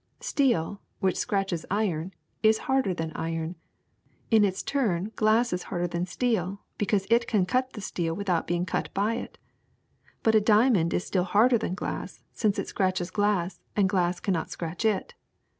Steel, which scratches iron, is harder than iron; in its turn glass is harder than steel, because it can cut the steel without being cut by it. But a diamond is still harder than glass, since it scratches glass and glass cannot scratch it.